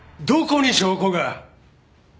どこに証拠が？